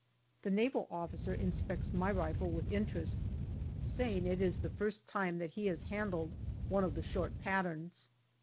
The Naval officer inspects my rifle with interest, saying it is the first time that he has handled one of the short patterns.